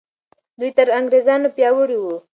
دوی تر انګریزانو پیاوړي وو.